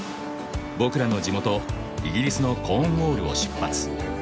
僕らの地元イギリスのコーンウォールを出発。